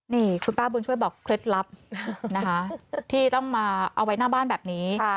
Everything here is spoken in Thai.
นี่คุณป้าบุญช่วยบอกเคล็ดลับนะคะที่ต้องมาเอาไว้หน้าบ้านแบบนี้